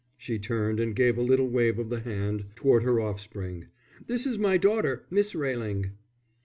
She turned and gave a little wave of the hand toward her offspring. "This is my daughter, Miss Railing."